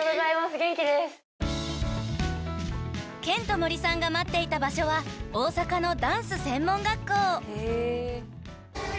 ［ケント・モリさんが待っていた場所は大阪のダンス専門学校］